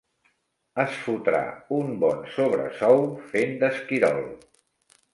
Es fotrà un bon sobresou fent d'esquirol.